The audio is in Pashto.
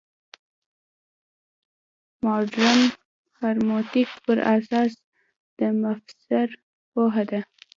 مډرن هرمنوتیک پر اساس د مفسر پوهه ده.